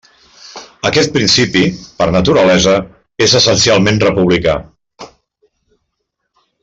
Aquest principi, per naturalesa, és essencialment republicà.